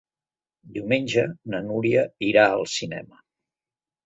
Diumenge na Núria irà al cinema.